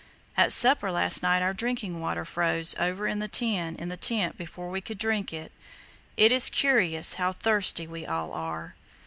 At supper last night our drinking water froze over in the tin in the tent before we could drink it. It is curious how thirsty we all are."